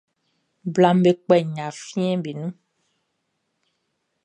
Blaʼm be kpɛ nɲa fieʼm be nun.